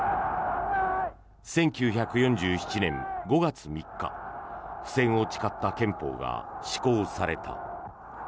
１９４７年５月３日不戦を誓った憲法が施行された。